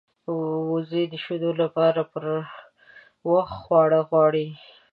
وزې د شیدو لپاره پر وخت خواړه غواړي